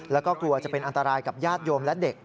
แล้วก็กลัวจะเป็นอันตรายกับญาติโยมและเด็ก